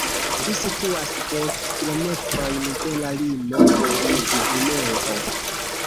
Ĝi situas dek kilometrojn de la limo kun Gvineo.